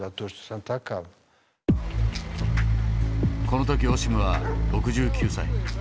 この時オシムは６９歳。